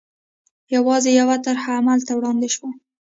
یوازې یوه طرحه عمل ته وړاندې شوه.